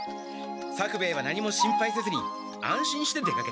作兵衛は何も心配せずに安心して出かけてくれ。